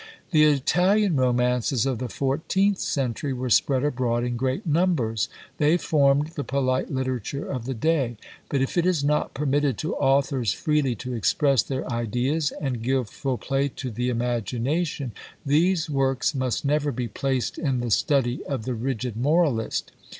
The Italian romances of the fourteenth century were spread abroad in great numbers. They formed the polite literature of the day. But if it is not permitted to authors freely to express their ideas, and give full play to the imagination, these works must never be placed in the study of the rigid moralist.